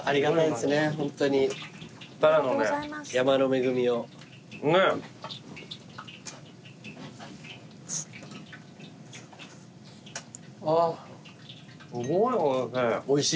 すごいおいしい。